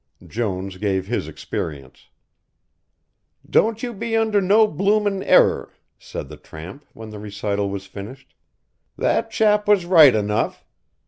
Jones gave his experience. "Don't you be under no bloomin' error," said the tramp, when the recital was finished. "That chap was right enough.